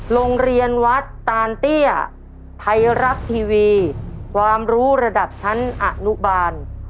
โรงเรียนวัดตานเตี้ยไทยรัฐทีวีความรู้ระดับชั้นอนุบาล